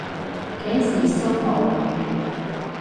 幾時收爐啊？